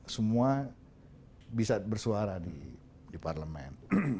semua bisa bersuara di parlemen